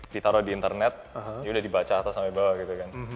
ditaruh di internet yaudah dibaca atas sampai bawah gitu kan